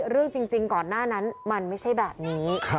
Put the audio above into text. เรื่องจริงก่อนหน้านั้นมันไม่ใช่แบบนี้